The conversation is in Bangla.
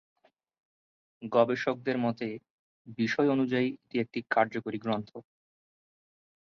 গবেষকদের মতে, বিষয় অনুযায়ী এটি একটি কার্যকরী গ্রন্থ।